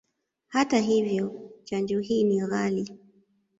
Hata hivyo, chanjo hii ni ghali.